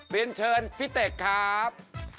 เป็นเชิญพี่เต็กครับ